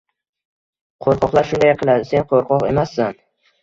Qo’rqoqlar shunday qiladi, sen qo’rqoq emassan!